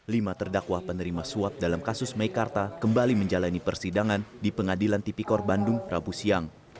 lima terdakwa penerima suap dalam kasus meikarta kembali menjalani persidangan di pengadilan tipikor bandung rabu siang